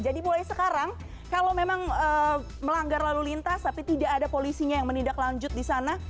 jadi mulai sekarang kalau memang melanggar lalu lintas tapi tidak ada polisinya yang menindak lanjut di sana